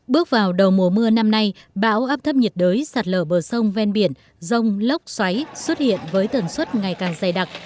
bước vào đầu mùa mưa năm nay bão áp thấp nhiệt đới sạt lở bờ sông ven biển rông lốc xoáy xuất hiện với tần suất ngày càng dày đặc